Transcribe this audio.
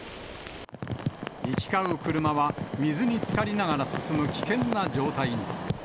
行き交う車は水につかりながら進む危険な状態に。